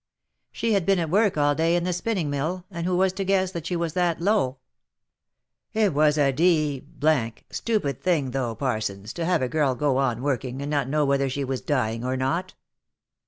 She had been at work all day in the spinning mill, and who was to guess that she was that low ?"" It was a d — d stupid thing though, Parsons, to have a girl go on working, and not know whether she was dying or not."